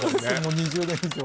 もう２０年以上。